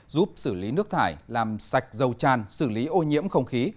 giúp xử lý nước thải làm sạch dầu tràn xử lý ô nhiễm không khí